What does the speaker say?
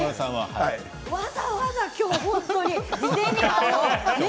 わざわざ今日事前に。